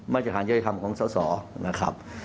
มาจากฐานเยอะธรรมของส่อนะครับ